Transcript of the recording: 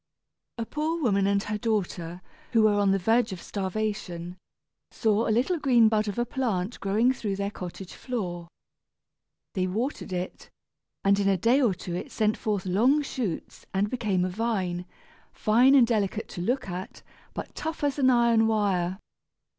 A poor woman and her daughter, who were on the verge of starvation, saw a little green bud of a plant growing through their cottage floor. They watered it, and in a day or two it sent forth long shoots, and became a vine, fine and delicate to look at, but tough as an iron wire.